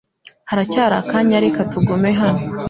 Haracyari akanya reka tugume hano?